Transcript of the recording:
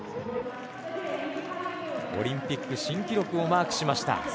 オリンピック新記録をマークしました。